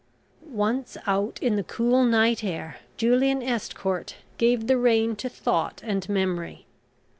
Once out in the cool night air, Julian Estcourt gave the rein to thought and memory.